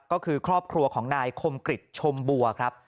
ก็คือครอบครัวของนายคมกริจชมบัวครับ